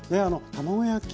卵焼き